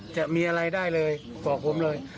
จะมีอะไรได้เลยบอกผมเลย